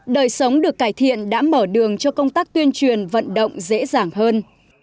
đời sống được cải thiện đã mở đường cho công tác tuyên truyền vận động dễ dàng hơn